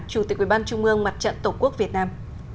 chủ tịch ubnd mặt trận tổ quốc việt nam